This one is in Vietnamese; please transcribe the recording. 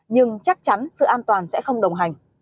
nhưng chắc chắn sự an toàn sẽ không đồng hành